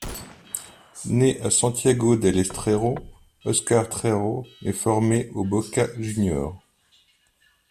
Né à Santiago del Estero, Óscar Trejo est formé au Boca Juniors.